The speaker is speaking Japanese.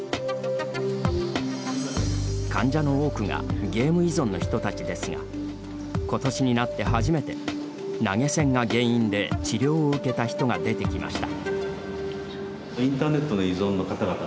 患者の多くがゲーム依存の人たちですがことしになって初めて投げ銭が原因で治療を受けた人が出てきました。